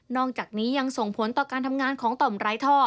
อกจากนี้ยังส่งผลต่อการทำงานของต่อมไร้ท่อ